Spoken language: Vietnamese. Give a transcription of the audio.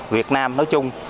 việt nam nói chung